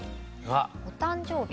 お誕生日。